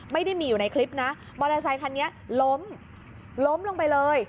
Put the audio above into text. ไม่ได้มีอยู่ในคลิปนะมอเตอร์ไซคันนี้ล้มล้มลงไปเลย